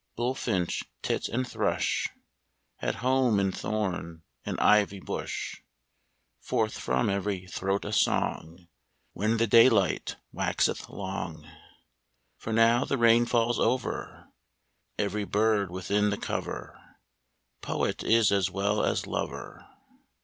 Bullfinch, tit and thrush At home in thorn and ivy bush. Forth from every throat a song When the daylight waxeth long. For now the rain fall's over Every bird within the cover Poet is as well as lover.